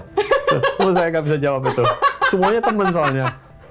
kenapa saya nggak bisa jawab itu semuanya teman soalnya